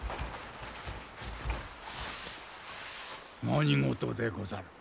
何事でござる？